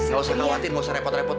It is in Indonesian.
gak usah khawatir gak usah repot repot